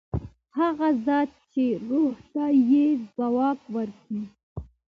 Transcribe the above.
هغه ذات چې روح ته یې ځواک ورکړ.